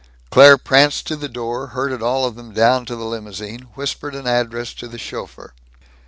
Claire pranced to the door, herded all of them down to the limousine, whispered an address to the chauffeur.